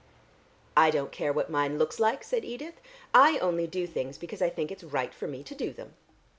"I don't care what mine looks like," said Edith. "I only do things because I think it's right for me to do them."